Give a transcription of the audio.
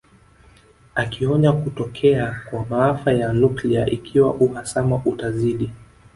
Akionya kutokea kwa maafa ya nuklia ikiwa uhasama utazidi